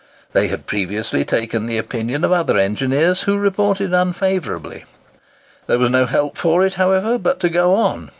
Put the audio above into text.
They had previously taken the opinion of other engineers, who reported unfavourably. There was no help for it, however, but to go on.